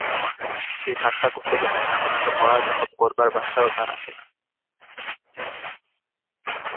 সে ঠাট্টা করতে জানে না, অথচ কড়া জবাব করবার ভাষাও তার আসে না।